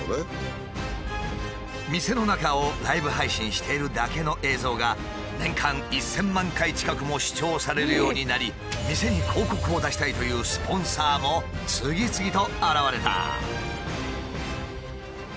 店の中をライブ配信しているだけの映像が年間１，０００万回近くも視聴されるようになり店に広告を出したいというスポンサーも次々と現れた。